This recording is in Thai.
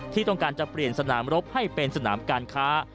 ที่ต้องการจะเปลี่ยนสนามรบให้เป็นสนามการค้า